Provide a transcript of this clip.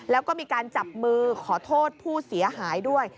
แล้วก็มีการจับมือขอโทษผู้เสียหายด้วย